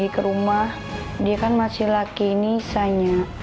ke rumah dia kan masih laki laki nisa nya